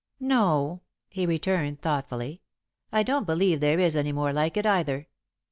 "No," he returned, thoughtfully, "I don't believe there is any more like it, either.